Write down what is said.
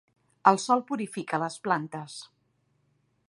El sol purifica les plantes.